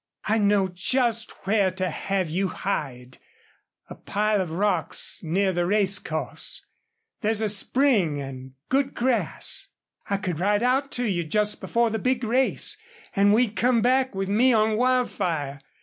"I know just where to have you hide. A pile of rocks near the racecourse. There's a spring and good grass. I could ride out to you just before the big race, and we'd come back, with me on Wildfire.